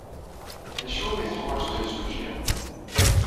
D acu umi teḥwajed imsujji?